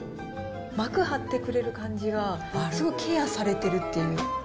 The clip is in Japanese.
膜張ってくれる感じが、すごいケアされてるっていう。